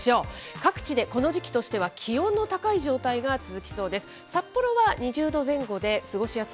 各地でこの時期としては気温の高い状態が続きそうです。